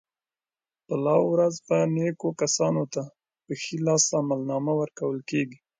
په لو ورځ به نېکو کسانو ته په ښي لاس عملنامه ورکول کېږي.